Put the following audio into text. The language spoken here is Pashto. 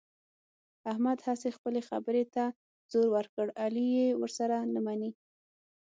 احمد هسې خپلې خبرې ته زور ور کړ، علي یې ورسره نه مني.